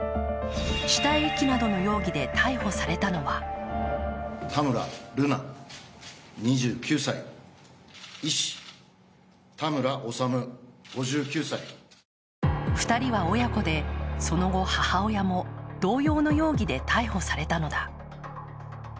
死体遺棄などの容疑で逮捕されたのは２人は親子で、その後、母親も同様の容疑で逮捕されたのだ。